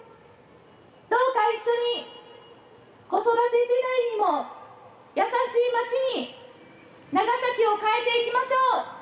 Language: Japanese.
どうか一緒に子育て世代にも優しい町に長崎を変えていきましょう。